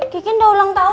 kikin udah ulang tahun